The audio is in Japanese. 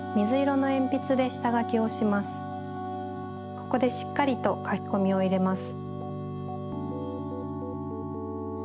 ここでしっかりとかきこみをいれます。